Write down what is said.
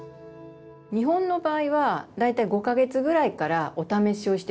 日本の場合は大体５か月ぐらいからお試しをして。